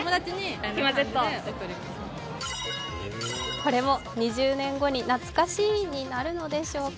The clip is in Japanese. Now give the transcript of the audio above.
これも２０年後に懐かしいになるのでしょうか。